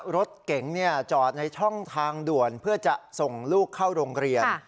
รถเก๋งจอดในช่องทางด่วนเพื่อจะส่งลูกเข้าโรงเรียน